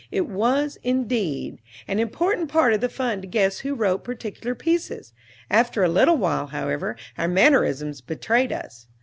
It was, indeed, an important part of the fun to guess who wrote particular pieces. After a little while, however, our mannerisms betrayed us.